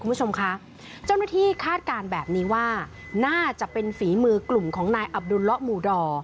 คุณผู้ชมคะเจ้าหน้าที่คาดการณ์แบบนี้ว่าน่าจะเป็นฝีมือกลุ่มของนายอับดุลละหมู่ดอ